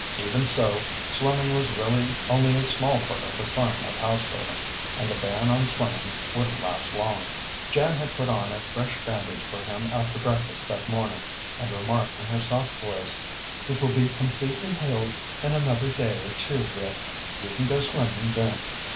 Even so, swimming was really only a small part of the fun of houseboating, and the ban on swimming wouldn't last long. Jan had put on a fresh bandage for him after breakfast that morning, and remarked in her soft voice, "It will be completely healed in another day or two, Rick. You can go swimming then."